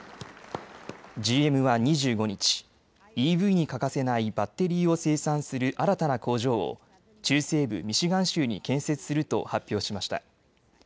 ＧＭは２５日ＥＶに欠かせないバッテリーを生産する新たな工場を中西部ミシガン州に建設すると発表しました。